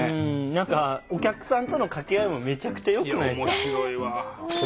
何かお客さんとの掛け合いもめちゃくちゃよくないですか。